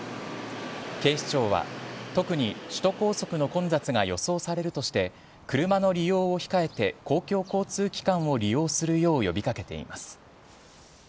警視庁は、特に首都高速の混雑が予想されるとして、車の利用を控えて、公共交通機関を利用するよう呼びかけています。